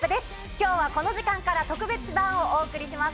今日はこの時間から特別版をお送りします